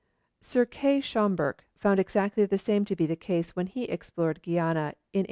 Sir R. Schomburgk found exactly the same to be the case when he explored Guiana in 1843.